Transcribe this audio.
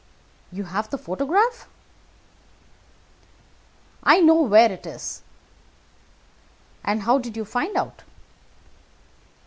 "You have the photograph?" "I know where it is." "And how did you find out?"